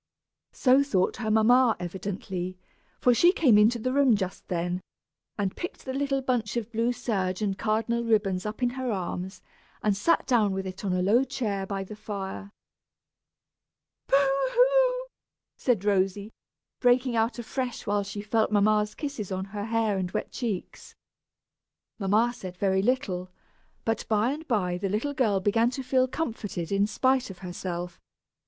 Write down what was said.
So thought her mamma, evidently, for she came into the room just then, and picked the little bunch of blue serge and cardinal ribbons up in her arms, and sat down with it in a low chair by the fire. "Boo hoo!" said Rosy, breaking out afresh when she felt mamma's kisses on her hair and wet cheeks. Mamma said very little, but by and by the little girl began to feel comforted, in spite of herself.